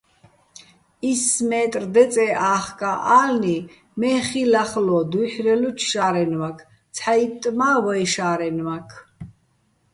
ისს მეტრ დეწე́ ა́ხკაჼ ა́ლნი, მე ხი ლახლო́ დუ́ჲჰ̦რელოჩო̆ შა́რენმაქ, ცჰ̦აიტტ მა - ვეჲ შა́რენმაქ.